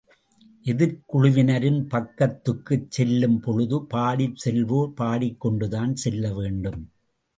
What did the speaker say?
எதிர்க் குழுவினரின் பக்கத்துக்குச் செல்லும் பொழுது பாடிச் செல்வோர், பாடிக் கொண்டுதான் செல்ல வேண்டும்.